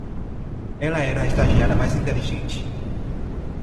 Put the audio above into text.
Ela era a estagiária mais inteligente